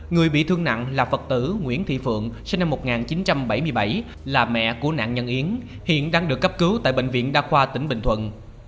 người bị thương nặng là phật tử nguyễn thị phượng sinh năm một nghìn chín trăm bảy mươi bảy là mẹ của nạn nhân yến hiện đang được cấp cứu tại bệnh viện đa khoa tỉnh bình thuận